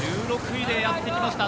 １６位でやってきました。